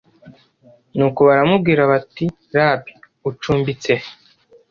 Nuko baramubwira bati : "Rabi, ucumbitse he?"